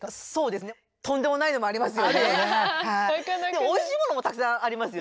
でもおいしいものもたくさんありますよね。